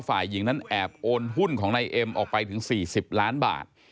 ฝ่ายหญิงนั้นแอบโอนหุ้นของนายเอ็มออกไปถึง๔๐ล้านบาท